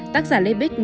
tác giả lê bích